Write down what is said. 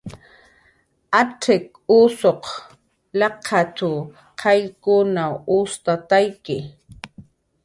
Atz'ik usuq laqaw qayll ustatayki